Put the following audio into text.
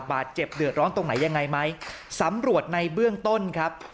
บาดเจ็บเดือดร้อนตรงไหนยังไงไหมสำรวจในเบื้องต้นครับ